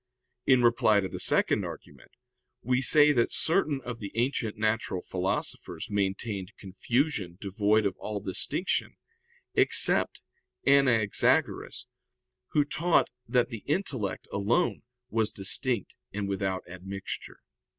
In reply to the second argument, we say that certain of the ancient natural philosophers maintained confusion devoid of all distinction; except Anaxagoras, who taught that the intellect alone was distinct and without admixture.